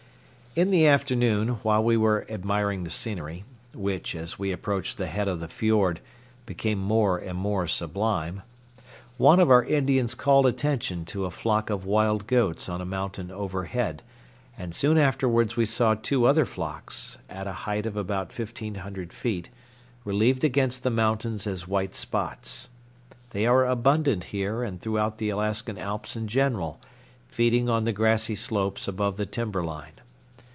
In the afternoon, while we were admiring the scenery, which, as we approached the head of the fiord, became more and more sublime, one of our Indians called attention to a flock of wild goats on a mountain overhead, and soon afterwards we saw two other flocks, at a height of about fifteen hundred feet, relieved against the mountains as white spots. They are abundant here and throughout the Alaskan Alps in general, feeding on the grassy slopes above the timber line.